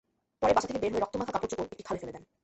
পরে বাসা থেকে বের হয়ে রক্তমাখা কাপড়চোপড় একটি খালে ফেলে দেন।